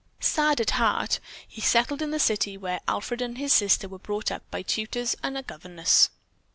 "Sad at heart, he settled in the city where Alfred and his sister were brought up by tutors and governesses."